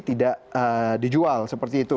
tidak dijual seperti itu